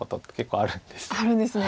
あるんですね。